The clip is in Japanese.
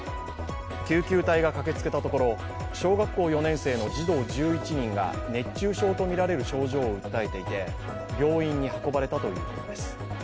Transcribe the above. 救急隊が駆けつけたところ、小学校４年生の児童１１人が熱中症とみられる症状を訴えていて、病院に運ばれたということです。